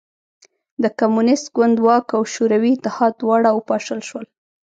د کمونېست ګوند واک او شوروي اتحاد دواړه وپاشل شول